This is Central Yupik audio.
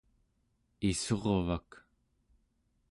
issurvak